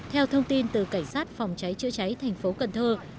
theo thông tin từ cảnh sát phòng cháy chữa cháy tp cn